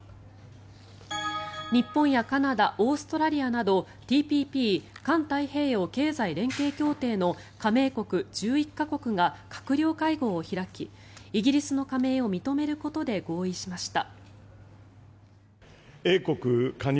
日本やカナダオーストラリアなどＴＰＰ・環太平洋経済連携協定の加盟国１１か国が閣僚会合を開きイギリスの加盟を認めることで合意しました。